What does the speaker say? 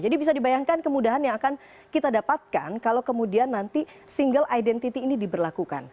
jadi bisa dibayangkan kemudahan yang akan kita dapatkan kalau kemudian nanti single identity ini diberlakukan